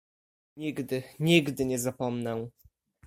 "Nigdy, nigdy nie zapomnę."